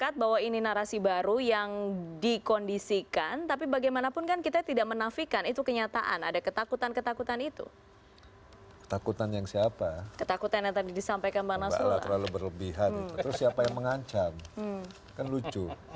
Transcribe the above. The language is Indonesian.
terus siapa yang mengancam kan lucu